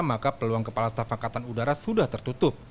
maka peluang kepala staf angkatan udara sudah tertutup